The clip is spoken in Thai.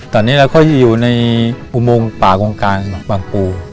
ตอนนี้เราก็อยู่ในอุโมงป่าวงการบางปู